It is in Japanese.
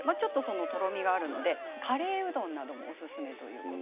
とろみがありますのでカレーうどんなどにもおすすめなんです。